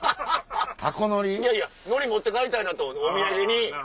いやいや海苔持って帰りたいなと思うてお土産に。